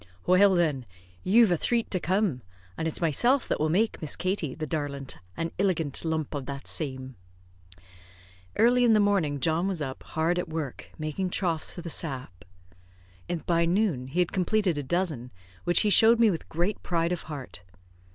"Well, then, you've a thrate to come; and it's myself that will make Miss Katie, the darlint, an illigant lump of that same." Early in the morning John was up, hard at work, making troughs for the sap. By noon he had completed a dozen, which he showed me with great pride of heart.